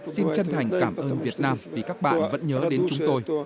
xin chân thành cảm ơn việt nam vì các bạn vẫn nhớ đến chúng tôi